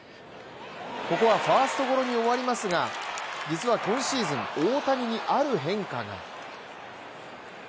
ここはファーストゴロに終わりますが、実は今シーズン、大谷にある変化が。